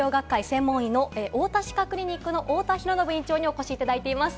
日本歯周病学会専門医のおおた歯科クリニックの太田広宣院長にお越しいただいております。